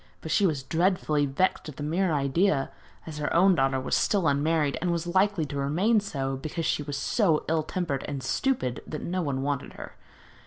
But she was dreadfully vexed at the mere idea, as her own daughter was still unmarried, and was likely to remain so, because she was so ill tempered and stupid that no one wanted her.